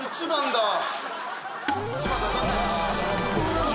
１番だ。